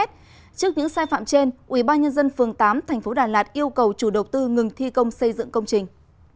trước những sai phạm trên ubnd phường tám tp đà lạt yêu cầu chủ đầu tư ngừng thi công xây dựng công trình